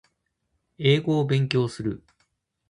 英語を勉強する